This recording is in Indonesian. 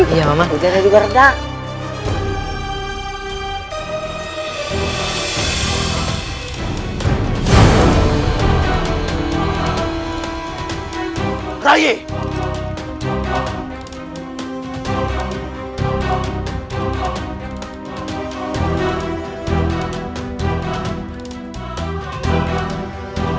iya mama ujiannya juga reda